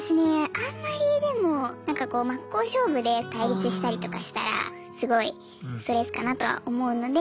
あんまりでもなんかこう真っ向勝負で対立したりとかしたらすごいストレスかなとは思うので。